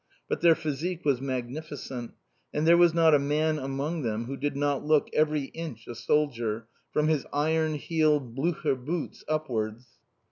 But their physique was magnificent, and there was not a man among them who did not look every inch a soldier, from his iron heeled blucher boots upwards.